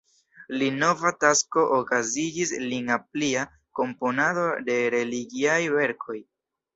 Lia nova tasko okazigis lin al plia komponado de religiaj verkoj.